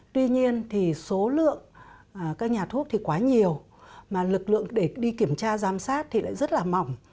tuy nhiên thì số lượng các nhà thuốc thì quá nhiều mà lực lượng để đi kiểm tra giám sát thì lại rất là mỏng